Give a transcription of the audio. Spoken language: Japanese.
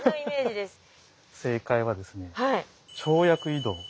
正解はですね跳躍移動。